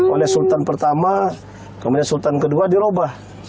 oleh sultan pertama kemudian sultan kedua dirubah